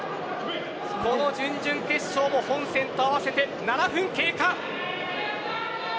その準々決勝も本戦と合わせて７分経過。